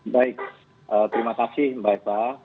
baik terima kasih mbak eva